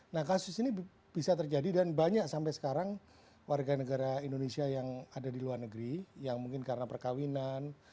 nah kasus ini bisa terjadi dan banyak sampai sekarang warga negara indonesia yang ada di luar negeri yang mungkin karena perkawinan